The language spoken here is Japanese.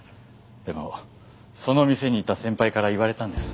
でもその店にいた先輩から言われたんです。